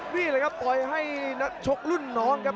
นี่แหละครับต่อยให้นักชกรุ่นน้องครับ